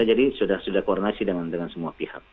jadi sudah koordinasi dengan semua pihak